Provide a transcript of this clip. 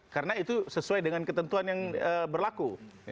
karena itu sesuai dengan ketentuan yang berlaku